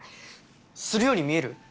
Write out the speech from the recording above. するように見える？